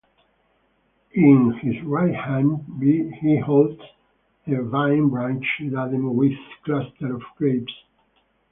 In his right hand he holds a vine-branch laden with clusters of grapes.